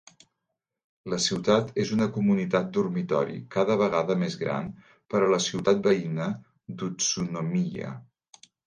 La ciutat és una comunitat dormitori cada vegada més gran per a la ciutat veïna d'Utsunomiya.